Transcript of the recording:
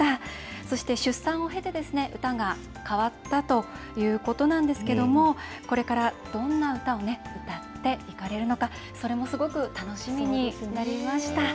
そして出産を経て、歌が変わったということなんですけども、これからどんな歌を歌っていかれるのか、それもすごく楽しみになりました。